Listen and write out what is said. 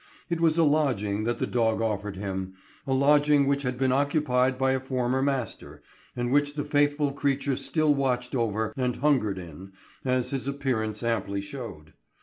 It was a lodging that the dog offered him, a lodging which had been occupied by a former master, and which the faithful creature still watched over and hungered in, as his appearance amply showed.